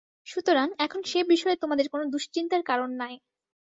সুতরাং এখন সে বিষয়ে তোমাদের কোন দুশ্চিন্তার কারণ নাই।